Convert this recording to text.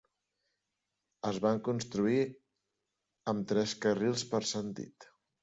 Es van construir amb tres carrils per sentit.